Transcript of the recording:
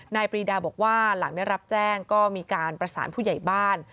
ปรีดาบอกว่าหลังได้รับแจ้งก็มีการประสานผู้ใหญ่บ้าน